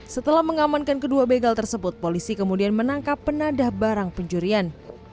setelah mengamankan kedua begal tersebut polisi kemudian menangkap penadah barang pencurian